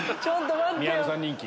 宮野さん人気。